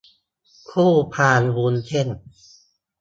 คู่พานวุ้นเส้น